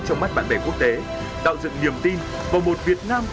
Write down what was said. trong mắt bạn bè quốc tế tạo dựng niềm tin vào một việt nam